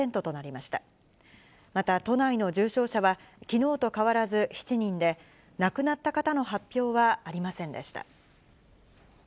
また都内の重症者はきのうと変わらず７人で、亡くなった方の発表